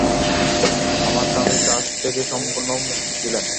আমার স্বামী তা থেকে সম্পূর্ণ মুক্ত ছিলেন।